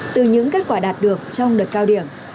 từ những kết quả đạt được trong đợt cao điểm